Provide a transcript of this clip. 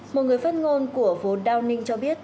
một người phát ngôn của phố downing cho biết